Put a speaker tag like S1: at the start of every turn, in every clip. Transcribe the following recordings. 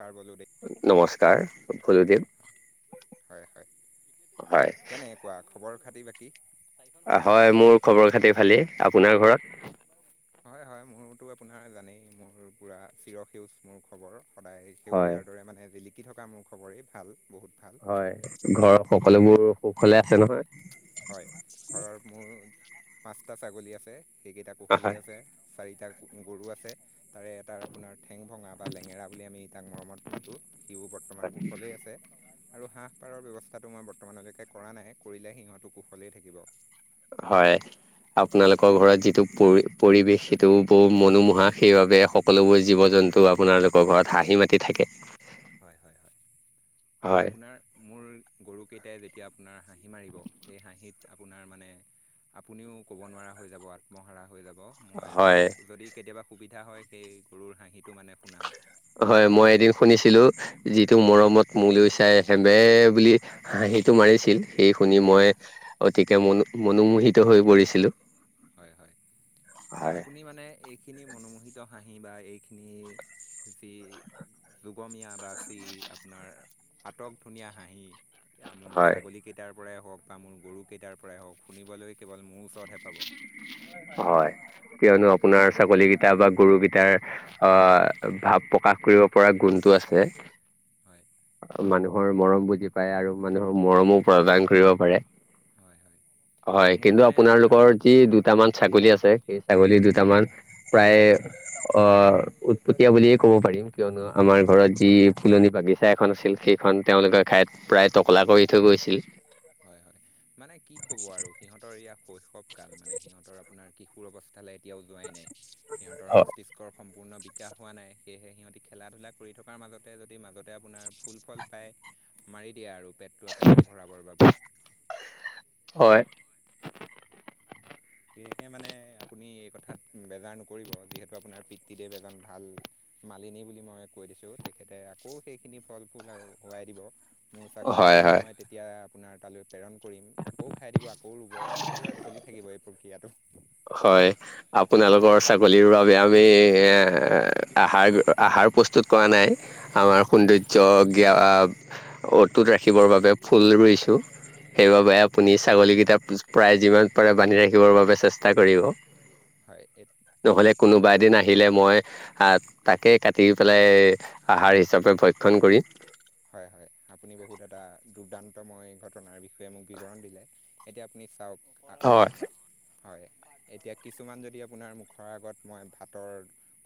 S1: সাৰ বলো দেই
S2: নমস্কাৰ ফুলদৱ
S1: হয় হয় কেনেকুৱা খবৰ খাতি বাকী
S2: হয় মোৰ খবৰ খাতিৰ ভালে আপোনাৰ ঘৰত
S1: হয় হয় মোৰতো আপোনাৰ জানেই মোৰ পূৰা চিৰসেউজ মোৰ খবৰ সদায়
S2: হয়
S1: সেউজীয়াৰ দৰে মানে জিলিকি থকা মোৰ খবৰেই ভাল বহুত ভাল
S2: হয় ঘৰৰ সকলোবোৰ সুখ হলে আছে নহয়
S1: হয় ঘৰৰ মোৰ পাঁচটা ছাগলী আছে সেইকেইটা কুশলে
S2: হয়
S1: আছে চাৰিটা গৰু আছে তাৰে এটাৰ আপোনাৰ ঠেং ভঙা বা লেঙেৰা বুলি আমি তাক মৰমত মাতোঁ সিও বৰ্তমান কুশলেই আছে আৰু হাঁহ পাৰৰ ব্যৱস্থাটো মই বৰ্তমানলৈকে কৰা নাই কৰিলে সিহটো কুশলেই থাকিব
S2: হয় আপোনালোকৰ ঘৰত যিটো পৰি পৰিৱেশ সেইটো বৰু মনোমোহা সেইবাবে সকলোবোৰ জীৱ জন্তু যোনটো আপোনালোকৰ ঘৰত হাঁহি মাতি থাকে
S1: হয় হয় হয়
S2: হয়
S1: আপোনাৰ মোৰ গৰুকেইটাই যেতিয়া আপোনাৰ হাঁহি মাৰিব সেই হাঁহিত আপোনাৰ মানে আপুনিও ক'ব নোৱাৰা হৈ যাব আত্মহাৰা হৈ যাব মই
S2: হয়
S1: আপোনাক যদি কেতিয়াবা সুবিধা হয় সেই গৰুৰ হাঁহি
S2: হয় মই এদিন শুনিছিলো যিটো মৰমত মূলৈ চাই হেবে বুলি হাঁহিটো মাৰিছিল সেই শুনি
S1: হয়
S2: মই অতিকে মনো মনোমোহিত হৈ পৰিছিলো
S1: ান এইখিনি মনোমোহিত হাঁহি বা এইখিনি যি লুগমীয়া বাচি আপোনাৰ আটক ধুনীয়া হাঁহি মোৰ
S2: হয়
S1: ছাগলীকেইটাৰ পৰাই হওক বা মোৰ গৰুকেইটাৰ পৰাই হওক শুনিবলৈ কেৱল মোৰ ওচৰতহে পাব
S2: হয় কিয়নো আপোনাৰ ছাগলী কেইটা গতা বা গুৰু গেইটাৰ আহ ভাৱ প্ৰকাশ কৰিব পৰা গুণটো আছে
S1: হয়
S2: মানুহৰ মৰম বুজি পায় আৰু মানুহৰ মৰমো প্ৰদান কৰিব পাৰে
S1: হয় হয় হয়
S2: হয়
S1: মোৰ
S2: কিন্তু
S1: মানে আপোনাৰ
S2: আপোনালোকৰ যি দুটামান ছাগলী আছে সেই ছাগলী দুটামান প্ৰায় অ উৎপটীয়া বুলিয়ে ক'ব পাৰি কিয়নো
S1: হয়
S2: আমাৰ ঘৰত যি ফুলনি বাগিচা ঠাই এখন আছিল সেইখন তেওঁলোকৰ ঠাইত প্ৰায় টকলা কৰি থৈ গৈছিল
S1: হয় হয় মানে কি কব আৰু সিহঁতৰ ইয়া কাল মানে সিহঁতৰ আপোনাৰ কিশোৰ অস্থালৈ এতিয়াও যোৱাই নাই সিহঁতৰ
S2: হয়
S1: মস্তিষ্কৰ সম্পূৰ্ণ শিকা হোৱা নাই সেয়েহে সিহঁতি খেলা ধূলা কৰি থকাৰ মাজতে যদি মাজতে আপোনাৰ ফুল ফল পায় মাৰি দিয়ে আৰু পেটটো আপোনাৰ ভৰাবৰ বাবে
S2: হয়
S1: সেয়েহে মানে আপুনি এই কথাত বেজাৰ নকৰিব যিহেতু আপোনাৰ পিতৃদেৱ এজন ভাল মালিনী বুলি মই কৈ দিছো তেখেতে আকৌ সেইখিনি ফল ফুল হৱাই দিব মোৰ ছাগলী
S2: হয়
S1: আকৌ
S2: হয়
S1: মই তেতিয়া আপোনাৰ তালৈ প্ৰেৰণ কৰিম আকৌ খাই দিব আকৌ ৰুব এনেদৰে চলি থাকিব এই প্ৰক্ৰিয়াটো
S2: হয় আপোনালোকৰ ছাগলীৰ বাবে আমি এ আহাৰ আহাৰ প্ৰস্তুত কৰা ন আম অটুত ৰাখিবৰ বাবে ইছোঁ সেইবাবে আপুনি
S1: হয়
S2: ছাগলীকেইটা প্ৰায় যিমান পাৰে বান্ধি ৰাখিবৰ বাবে চেষ্টা কৰিব
S1: হয়
S2: নহ'লে কোনোবা এদিন আহিলে মই তাকেই কাটি পেলাই আহাৰ হিচাপে ভক্ষণ কৰিম
S1: মই ঘটনাৰ বিষয়ে মোক বিৱৰণ দিলে এতিয়া আপুনি চাওক
S2: হয়,
S1: হয় এতিয়া কিছুমান যদি আপোনাৰ মুখৰ আগত মই ভাতৰ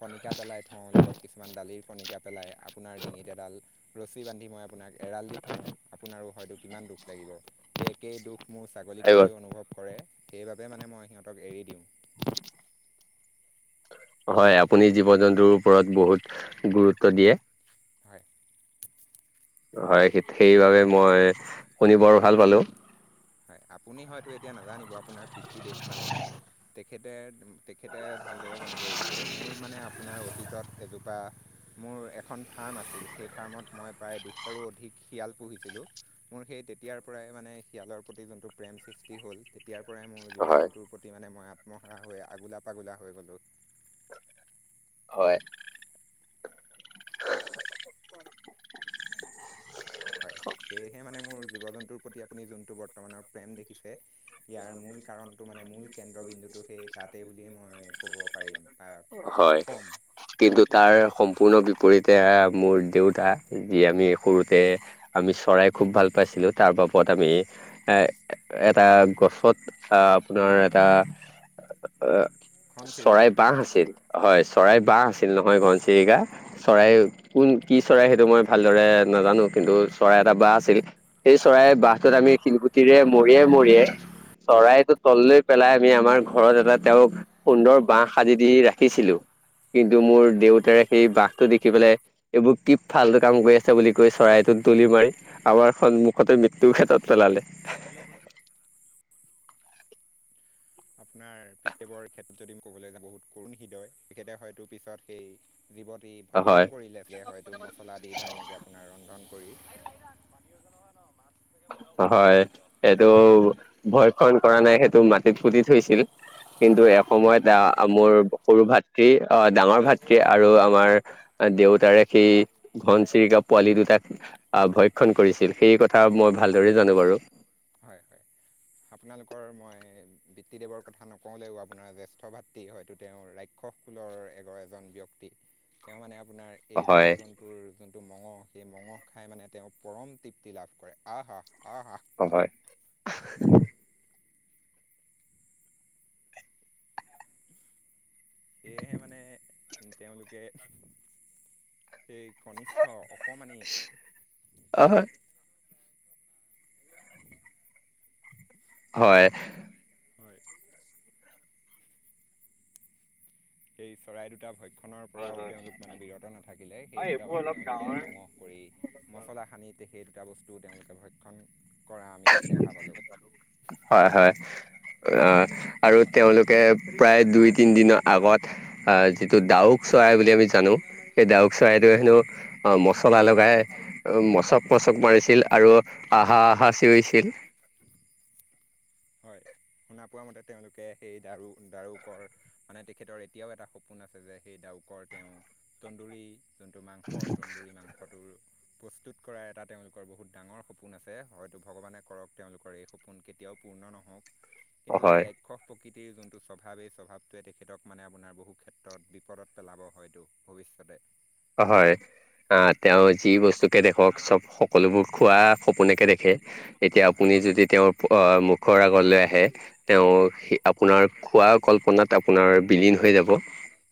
S1: কণিকা পেলাই থওঁ লগত কিছুমান দালিৰ কণিকা পেলাই আপোনাৰ ডিঙিত এডাল ৰছী বান্ধি মই আপোনাক এৰাল দি থওঁ, আপোনাৰো হয়তো কিমান দুখ লাগিব, সেই একেই দুখ মোৰ ছাগলীকেইটাইো অনুভৱ কৰে সেইবাবে মানে মই সিহঁতক এৰি দিওঁ
S2: হয় আপুনি জীৱ জন্তুৰ ওপৰত বহুত গুৰুত্ব দিয়ে
S1: হয়
S2: হয় সেইবাবে মই শুনি বৰ ভাল পালো
S1: হয় আপুনি হয়তো এতিয়া নাজানিব আপোনাৰ পিতৃ দেৱ মানে তেখেতে তেখেতে ভালদৰে জানিব এই বিষয়ে মোৰ মানে আপোনাৰ অতীতত এজোপা মোৰ এখন ফাৰ্ম আছিল সেই ফাৰ্মত মই প্ৰায় দুশৰো অধিক শিয়াল পুহিছিলোঁ মোৰ সেই তেতিয়াৰ পৰাই মানে শিয়ালৰ প্ৰতি যোনটো প্ৰেম সৃষ্টি হ'ল তেতিয়াৰ পৰাই মোৰ জীৱ
S2: হয়
S1: জন্তুৰ প্ৰতি মানে মই মহা হৈ আগোলা পাগোলা হৈ গ'লোঁ।
S2: হয়, [inaudible]
S1: হয়, সেয়েহে মানে মোৰ জীৱ জন্তুৰ প্ৰতি আপুনি যোনটো বৰ্তমানৰ প্ৰেম দেখিছে ইয়াৰ মূল কাৰণটো মানে মূল কেন্দ্ৰবিন্দুটো সেই তাতেই বুলিয়েই মই ক'ব পাৰিম বা
S2: হয়, হয়,
S1: ক'ম
S2: কিন্ত তাৰ সম্পূৰ্ণ বিপৰিতে মোৰ দেউতা যি আমি সৰুতে আমি চৰাই খুব ভাল পাইছিলোঁ তাৰ বাবদ আমি এ এটা গছত আ, আপোনাৰ এটা
S1: খন
S2: চৰাই
S1: চিৰিকা
S2: ববঁহ আছিল হয়, চৰাই বাঁহ আছিল নহয় ঘনচিৰিকা চৰাই কোন কি চৰাই সেইটো মই ভালদৰে নাজানো কিন্তু চৰাই এটা বা আছিল সেই চৰাই বাঁহটোত আমি শিলগুটিৰে
S1: হয়
S2: মৰিয়াই
S1: হয়
S2: মৰিয়াই চৰাইটো তললৈ পেলাই আমি আমাৰ
S1: হয়
S2: ঘৰত এটা তেওঁক সুন্দৰ বাঁহ সাজি দি ৰাখিছিলোঁ। কিন্তু মোৰ
S1: হয়
S2: দেউতাৰে সেই বাঁহটো দে দেখি পেলাই এইবোৰ কি ফালটো কাম কৰি আছ বুলি কৈ চৰাইটো দলি মাৰি আমাৰ সন্মুখতে মৃ তু খেতত পেলালে।
S1: [inaudible] আপোনাৰ পিতৱৰ ক্ষেত্ৰত যদি মই ক'বলৈ যা বহুত কৰুণ হৃদয় তেখেতে হয়তো পিছত সেই জীৱতী
S2: হয়
S1: ভক্ষণ কৰিলেগে হয়তো মছলা দি ধুনীয়াকে আপোনাৰ ৰন্ধন কৰি
S2: হয়, এইটো ভয়, খন কৰা নাই সেইটো মাটিত ফুতি থৈছিল কিন্তু
S1: হয়
S2: এসময়ত আ, মোৰ সৰু ভাতৃ অ', ডাঙৰ ভাতৃ আৰু আমাৰ দেউতাৰে সি ঘনচিৰিকা পোৱালি দুটাক আ, ভক্ষণ কৰিছিল সেই কথা মই ভালদৰে জানো বাৰু।
S1: হয়, হয়, আপোনালোকৰ মই বিত্ত দেৱৰ কথা নকওঁলেও আপোনাৰ জেষ্ঠ ভাতৃ হয়তো তেওঁ ৰা উৎখ খুলৰ এগৰ এজন ব্যক্তি, তেওঁ মানে আপোনাৰ সেই জীৱ
S2: হয়
S1: জন্তুৰ যোনটো মঙহ সেই মঙহ খাই মানে তেওঁ পৰম তৃপ্তি লাভ কৰে আহা, আহা
S2: হয়,
S1: সেয়েহে মানে তেওঁলোকে এই কনিষ্ঠ অকমানি
S2: আহ হয়,
S1: হয় সেই চৰাই দুটা ভয় খনৰ পৰাও তেওঁলোক মানে বিৰত নাথাকিলে সেই দুটা তেওঁলোকে মঙ কৰি মছলা সানি তে সেই দুটা বস্তু তেওঁলোকে ভক্ষণ কৰা আমি দেখা পালোঁ
S2: হয়, হয় আৰু তেওঁলোকে প্ৰায় দুই তিনিদিনৰ আগত আ, যিটো ডাউক চৰাই বুলি আমি জানো, সেই ডাউক
S1: হয়
S2: চৰাইটোৱে হেনো অ, চলাই লগাই মচক পচক মাৰিছিল আৰু আহা, আহা ছিয়ৰিছিল
S1: হয়, শুনা পোৱা মতে তেওঁলোকে সেই দাৰু দাৰুকৰ মানে তেখেতৰ এতিয়াও, এটা সপোন আছে যে সেই দাৰ [unintelligible] তেওঁ তন্দুৰী যোনটো মাংস তন্দুৰী মাংসটোৰ প্ৰস্তুত কৰা এটা তেওঁলোকৰ বহুত ডাঙৰ সপোন আছে হয়তো ভগৱানে কৰক তেওঁলোকৰ এই সপোন কেতিয়াও পূৰ্ণ নহওক কিন্তু এই
S2: হয়
S1: ৰাক্ষস প্ৰকৃতিৰ যোনটো স্বভাৱ এই স্বভাৱটোৱে তেখেতক মানে আপোনাৰ বহু ক্ষেত্ৰত বিপদত পেলাব হয়তো ভৱিষ্যতে
S2: হয়, আ, তেওঁ যি বস্তুকে দেখক চব সকলোবোৰ খোৱা সপোনেকে দেখে, এতিয়া
S1: হয়।
S2: আপুনি এই যদি তেওঁৰ আ, মুখৰ আগলৈ আহে, তেওঁ আপোনৰ খুৱাৰ কল্পনাত আপোনাৰ বিলীন হৈ যাব।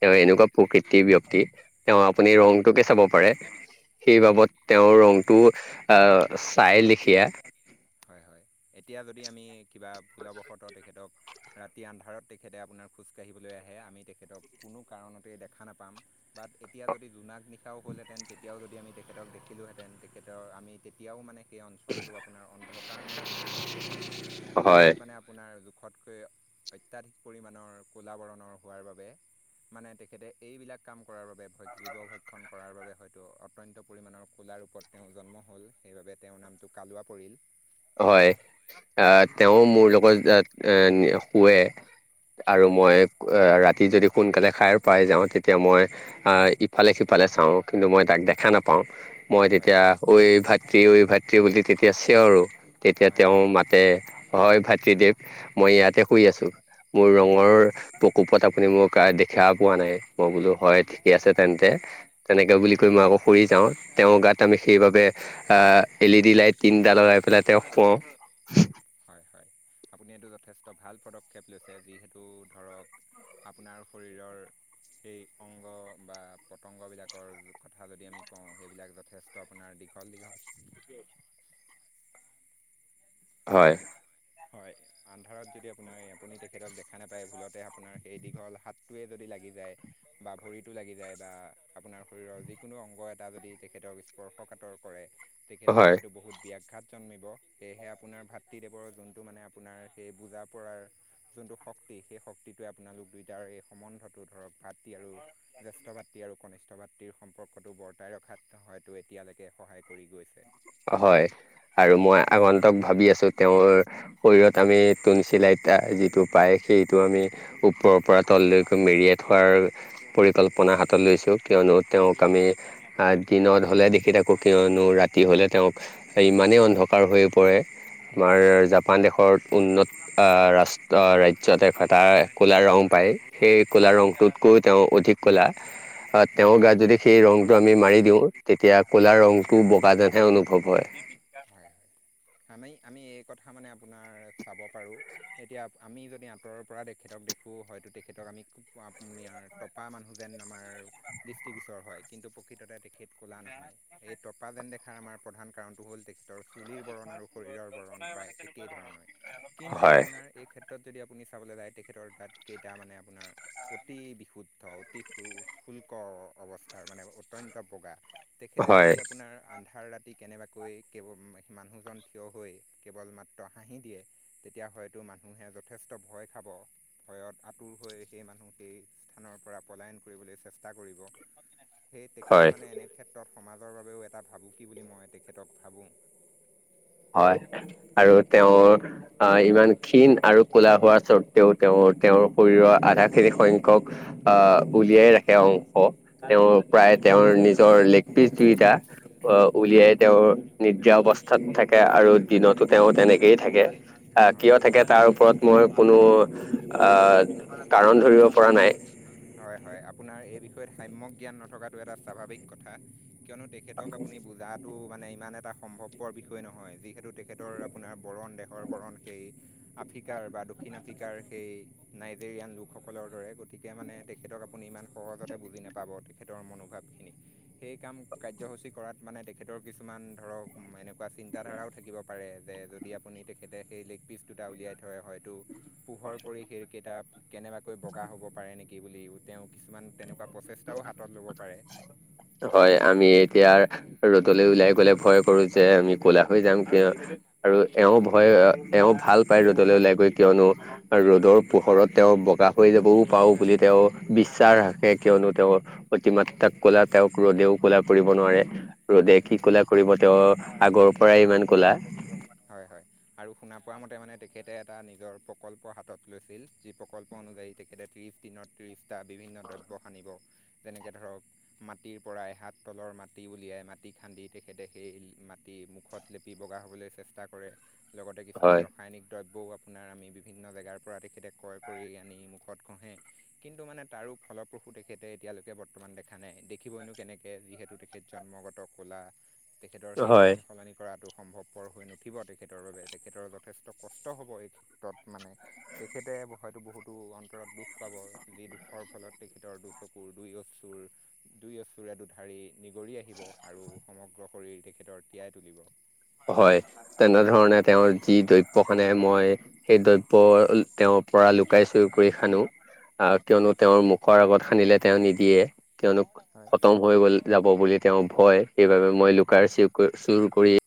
S2: তেওঁ
S1: হয়
S2: এনেকুৱা প্ৰকৃতিৰ ব্যয়ক্তি, তেওঁ আপুনি
S1: হয়
S2: ৰংটোকে চাব পাৰে। সেই
S1: হয়
S2: বাবদ তেওঁৰ ৰংটো আ, চাই লেখিয়া
S1: হয় হয় এতিয়া যদি আমি কিবা ভুলবশতঃ তেখেতক ৰাতি আন্ধাৰত তেখেতে আপোনাৰ খোজকাঢ়িবলৈ আহে আমি তেখেতক কোনো কাৰণতে দেখা নাপাম, বাট এতিয়া যদি জোনাক নিশাও হ'ল হেতেন তেতিয়াও যদি আমি তেখেতক দেখিলোঁ হেঁতেন তেখেতৰ আমি তেতিয়াও মানে সেই অঞ্চলটো আপোনাৰ অন্ধকাৰ ময়ে দেখি থাকিলোঁ হেঁতেন তেখেত
S2: হয়
S1: মানে আপোনাৰ জোখতকৈ অত্যাধিক পৰিমাণৰ কলাবৰণৰ হোৱাৰ বাবে মানে তেখেতে এইবিলাক কাম কৰাৰ বাবে জীৱ ভক্ষণ কৰাৰ বাবে হয়তো অত্যন্ত পৰিমাণৰ কোলা ৰূপত তেওঁ জন্ম হ'ল সেইবাবে তেওঁৰ নামটো কালুৱা পৰিল।
S2: হয়, আ তেওঁ মোৰ লগত এ শুৱে আৰু
S1: হয়
S2: মই আ, ৰাতি যদি সোনকালে খাই পায় যাওঁ, তেতিয়া মই ইফালে সিফালে চাওঁ কিন্তু মই তাক দেখা নাপাওঁ। মই
S1: হয়
S2: তেতিয়া ঐ ভাতৃ ঐ ভাতৃ বুলি তেতিয়া চিঞৰো। তেতিয়া
S1: হয়
S2: তেওঁ মাতে হয়, ভাতৃদেৱ মই ইয়াতে শুই আছোঁ। মোৰ ৰঙৰ
S1: হয়
S2: কোপত আপুনি মোক দেখা পোৱা নাই, মই বোলো হয় ঠিকে আছে তেন্তে। তেনেকে বুলি
S1: হয়
S2: কৈ মই আকৌ শুই যাওঁ, তেওঁৰ গাত আমি
S1: হয়
S2: সেইবাবে আ, এল ই ডি লাইট তিনিটা লগাই পেলাই তেওঁক শুৱাও।
S1: হয় হয় আপুনি এইটো যথেষ্ট ভাল পদক্ষেপ লৈছে যিহেতু ধৰক আপোনাৰ শৰীৰৰ সেই অংগ বা পতংগ বিলাকৰ কথা যদি আমি কওঁ, সেইবিলাক যথেষ্ট আপোনাৰ [unintelligible]
S2: হয়,
S1: হয় আন্ধাৰত যদি আপোনাৰ আপুনি তেখেতক দেখা নাপায় ভুলতে আপোনাৰ সেই দীঘল হাতটোৱে যদি লাগি যায়, বা ভৰিতো লাগি যায়, বা আপোনাৰ শৰীৰৰ যিকোনো অংগ এটা যদি তেখেতক স্পৰ্শ [unintelligible] কাতৰ কৰে তেখেতৰ
S2: হয়
S1: হয়তো বহুত ব্যাঘাত জন্মিব সেয়েহে আপোনাৰ ভাতৃদেৱৰ যোনটো যোনটো মানে আপোনাৰ সেই বুজা পৰাৰ, যোনটো শক্তি সেই শক্তিটোৱে আপোনালোক দুইটাৰ এই সম্বন্ধত ধৰক ভাতৃ আৰু জ্যেষ্ঠ ভাতৃ আৰু কনিষ্ঠ ভাতৃৰ সম্পৰ্কটো বৰ্তাই ৰখাত হয়তো এতিয়া এতিয়ালৈকে সহায় কৰি গৈছে।
S2: হয়, আৰু মই আগন্তক ভাবি আছোঁ, তেওঁৰ শৰীৰত আমি তুলচিলাইত যিটো পাই সেইটো আমি ওপৰৰ পৰা তললৈকৈ মেৰিয়াই থোৱাৰ পৰিকল্পনা হাতত লৈছোঁ কিয়নো তেওঁক আমি দিনত হ'লে দেখি থাকো কিয়নো ৰাতি হ'লে তেওঁক ইমানেই অন্ধকাৰ হৈ পৰে আমাৰ জাপান দেশৰ উন্নত আ, ৰাষ্ট ৰাজ্য [unintelligible] এটা কলা ৰং পাই পাই, সেই কোলা ৰঙটোত কৈ তেওঁ অধিক কোলা।
S1: হয়
S2: তেওঁৰ গাত যদি সেই ৰংটো আমি মাৰি দিওঁ তেতিয়া ক'লা ৰংটো বগা যেনহে অনু হ'বই।
S1: হয় হয় আমি আমি এই কথা মানে আপোনাৰ চাব পাৰো এতিয়া আমি যদি আঁতৰৰ পৰা দেখি থাকোঁ দেখো হয়তো তেখেতক আমি আপুনি টপা মানুহ যেন আমাৰ দৃষ্টিগোচৰ হয়, কিন্তু প্ৰকৃততে তেখেত ক'লা নহয়, এই টপা যেন দেখাৰ আমাৰ প্ৰধান কাৰণটো হ'ল তেখেতৰ চুলিৰ বৰণ আৰু শৰীৰৰ বৰণ প্ৰায় একেই ধৰণৰ, কিন্তু
S2: হয়,
S1: আপোনাৰ এই ক্ষেত্ৰত যদি আপুনি চাবলৈ যায় তেখেতৰ দাঁতকেইটা মানে আপোনাৰ অতি বিশুদ্ধ অতি শু শুল্কৰ। অৱস্থাৰ মানে অত্যন্ত বগা তেখেতে
S2: হয়,
S1: যদি আপোনাৰ আন্ধাৰ ৰাতি কেনেবাকৈ কেৱ মানুহজন থিয় হৈ কেৱল মাত্ৰ হাঁহি দিয়ে, তেতিয়া হয়তো মানুহে যথেষ্ট ভয় খাব। ভয়ত আঁতুৰ হৈ সেই মানুহ সেই স্থানৰ পৰা পলায়ন কৰিবলৈ চেষ্টা কৰিব। [inaudible] সেই তেখেতে
S2: হয়,
S1: মানে এনে ক্ষেত্ৰত সমাজৰ বাবেও এটা ভাবুকি বুলি মই তেখেতক ভাবোঁ।
S2: হয়, আৰু তেওঁৰ আহ ইমান ক্ষীণ আৰু কোলা হোৱা স্বৰ্তেও তেওঁ তেওঁৰ শৰীৰৰ আধা খিনি শংখ্যক আ উলিয়াই ৰাখে অংশ তেওঁৰ প্ৰাই তাই তেওঁৰ নিজৰিচ লেগ পিছ তিৰ্ত
S1: হয়
S2: উলিয়াই তেওঁ নিদ্ৰা অৱস্থাত থ থাকে আৰু দিনতো তেওঁ তেনেকেই থাকে আহ
S1: হয়
S2: কিয় থাকে তাৰ ওপৰত মোৰ কোনো আহ কাৰণ ধৰিব পৰা নাই।
S1: হয় হয়, আপোনাৰ এই বিষয়ত সাম্য়ক জ্ঞান নথকাতটো এটা স্বাভাৱিক কথা। কিয়নো তেখেতক আপুনি বুজাটো মানে ইমান এটা সম্ভৱপৰ বিষয় নহয় যিহেতু তেখেতৰ আপোনাৰ বৰণ দেশৰ বৰণ সেই আফ্ৰিকাৰ বা দক্ষিণ আফ্ৰিকাৰ সেই নাইজেৰিয়ান লোকসকলৰ দৰে গতিকে মানে তেখেতক আপুনি ইমান সহজতে বুজি নাপাব তেখেতৰ মনোভাৱখিনি সেই কাম কাৰ্যসূচী কৰাত মানে তেখেতৰ কিছুমান ধৰক এনেকুৱা চিন্তাধাৰাও থাকিব পাৰে যে যদি আপুনি তেখেতে সেই লেখি বি দুটা উলিয়াই থয় হয়তো পোহৰ পৰি সেই কেইটা কেনেবাকৈ বগা হব পাৰে নেকি বুলি তেওঁ কিছুমান তেনেকুৱা প্ৰচেষ্টাও হাতত ল'ব পাৰে
S2: হয় আমি এতিয়া ৰ লৈ উওলাই গলে ভয় কৰো যে আমি কলা হৈ যাম আৰু এওঁ ভয় এওঁ ভাল পাই ৰ'দলৈ ওলাই গৈ কিয়নো ৰ'দৰ পোহৰত তেওঁ বগা হৈ যাবও পাও বুলি তেওঁ বিশ্বাস ৰাখে কিয়নো তেওঁৰ অতিমাত্ৰাক কোলা তেওঁক ৰ'দেও কলা কৰিব নোৱাৰে। ৰ'দে
S1: হয়
S2: কি ক'লা কৰিব তেওঁ আগৰ পৰাই ইমান কলা।
S1: হয় হয়, আৰু শুনা পোৱা মতে মানে তেখেতে এটা নিজৰ প্ৰকল্প হাতত লৈছিল যি প্ৰকল্প [unintelligible] তেখেতে ত্ৰিশ দিনত ত্ৰিশটা বিভিন্ন দ্ৰব্য সানিব। যেনেকে ধৰক মাটিৰ পৰা পাইহাত তলৰ মাটি উলিয়াই মাটি খান্দি তেখেতে সেই মাটি মুখত লেপি বগা হ'বলৈ চেষ্টা কৰে লগতে কিছুমান
S2: হয়
S1: ৰাসায়নিক দ্ৰব্য বৌ আপোনাৰ আমি বিভিন্ন জেগাৰ পৰা তেখেতে ক্ৰয় কৰি আনি মুখত ঘঁহে, কিন্তু মানে তাৰো ফলপ্ৰসু তেখেতে এতিয়ালৈকে বৰ্তমান দেখা নাই দেখিবইনো কেনেকে যিহেতু তেখেত জন্মগত ক'লা। তেখেতৰ সেই
S2: হয়
S1: বৰণ সলনি কৰাটো সম্ভৱপৰ হৈ নুঠ উঠিব তেখেতৰ বাবে তেখেতৰ যথেষ্ট কষ্ট হ'ব এই ক্ষেত্ৰত মানে তেখেতে হয়তো বহুতো অন্তৰত দুখ পাব যি দুখৰ ফলত তেখেতৰ দু চকুৰ দুই অচুৰ দুই অ ধাৰি নিগৰি আহিব আৰু সমগ্ৰ শৰীৰ তেখেতৰ তিয়াই তুলিব
S2: হয়, তেনেধৰণে তেওঁৰ যি দ্ৰব্যখনে মই সেই দ্ৰব্য তেওঁ পৰা লুকাই চুই কৰি খানো। আহ
S1: হয়
S2: কিয়নো তেওঁৰ মুখৰ আগত সানিলে তেওঁ নিদিয়ে কিয়নো
S1: হয়
S2: খতম হৈ গল যাব বুলি তেওঁ ভয় সেইবাবে মই
S1: হয়
S2: লুকাৰ চ চুৰ কৰি